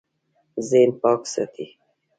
ذهن پاک ساتئ